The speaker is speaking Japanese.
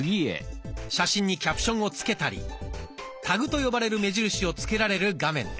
写真にキャプションをつけたりタグと呼ばれる目印をつけられる画面です。